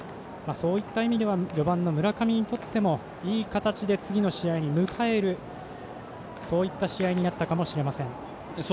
そういった意味では４番の村上にとってもいい形で次の試合に向かえるそういった試合になったかもしれません。